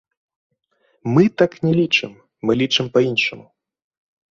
Мы так не лічым, мы лічым па-іншаму.